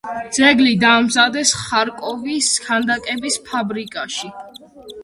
ძეგლი დაამზადეს ხარკოვის ქანდაკების ფაბრიკაში.